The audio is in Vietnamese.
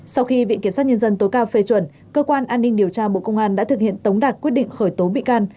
sau khi viện kiểm sát nhân dân tối cao phê chuẩn cơ quan an ninh điều tra bộ công an đã thực hiện tống đạt quyết định khởi tố bị can